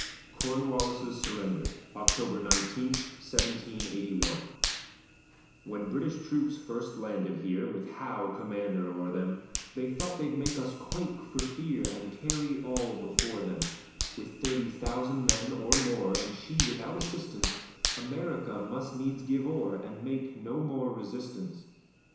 CORNWALLIS'S SURRENDER [October 19, 1781] When British troops first landed here, With Howe commander o'er them, They thought they'd make us quake for fear, And carry all before them; With thirty thousand men or more, And she without assistance, America must needs give o'er, And make no more resistance.